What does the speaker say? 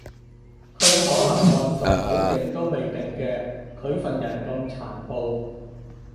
佢可能運動好勁都未定嘅，佢份人咁殘暴